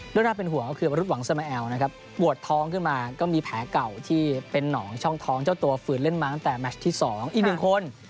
แล้วหน้าเป็นหูก็คือวรุธหวังซามาแอนนะครับโหวดทองก็มีแผลเก่าที่เป็นน๋องช่องท้องเจ้าตัวฝื่นเล่นมาตั้งแต่แมชที่สองอีก๑คน